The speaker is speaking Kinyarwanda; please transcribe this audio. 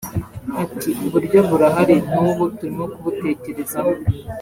Ati “Uburyo burahari n’ubu turimo kubutekerezaho